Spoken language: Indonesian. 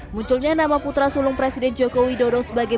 munculnya nama putra sulung presiden joko widodo sebagai